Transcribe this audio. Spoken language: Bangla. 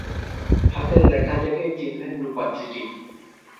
হাতের লেখা দেখেই চিনলেন রূপার চিঠি।